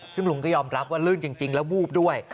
ซึ่งลุงก็ยอมรับว่าลื่นจริงแล้ววูบด้วย